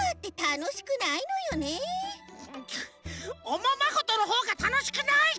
おままごとのほうがたのしくない！